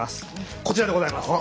こちらでございます。